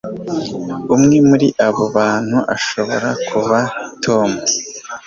umwe muri abo bantu ashobora kuba tom